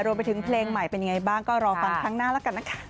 รวมไปถึงเพลงใหม่เป็นยังไงบ้างก็รอฟังครั้งหน้าแล้วกันนะคะ